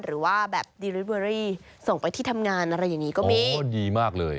หรือว่าแบบส่งไปที่ทำงานอะไรอย่างงี้ก็มีอ๋อดีมากเลย